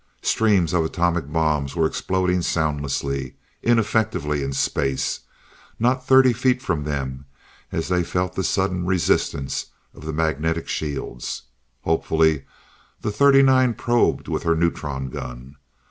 Streams of atomic bombs were exploding soundlessly, ineffectively in space, not thirty feet from them as they felt the sudden resistance of the magnetic shields. Hopefully, the 39 probed with her neutron gun.